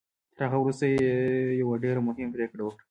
تر هغه وروسته يې يوه ډېره مهمه پريکړه وکړه.